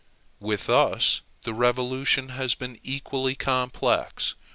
With us the revolution has been equally complex.